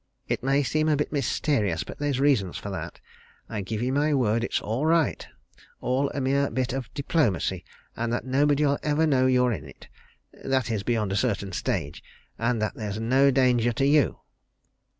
"It may seem a bit mysterious, but there's reasons for that. I give you my word it's all right all a mere bit of diplomacy and that nobody'll ever know you're in it that is, beyond a certain stage and that there's no danger to you."